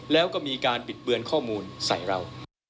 แล้วก็มีการบิดเบือนข้อมูลใส่เรา